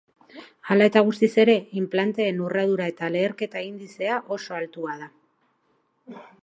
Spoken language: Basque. Hala eta guztiz ere, inplanteen urradura eta leherketa indizea oso altua da.